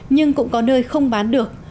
nhưng cũng có nơi không bán được